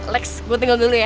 next gue tinggal dulu ya